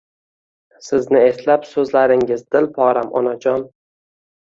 Sizni eslab suzlaringiz dilporaman Onajon